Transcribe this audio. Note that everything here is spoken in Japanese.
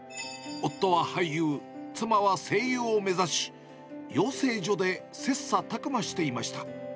夫は俳優、妻は声優を目指し、養成所で切さたく磨していました。